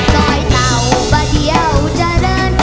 ต้อยเต่าบาดเดียวจะเริ่น